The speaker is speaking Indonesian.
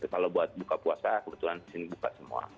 kalau buat buka puasa kebetulan di sini buka semua